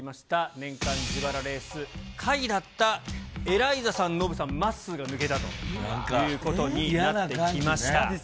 年間自腹レース下位だったエライザさん、ノブさん、まっすーが抜けたということになってきました。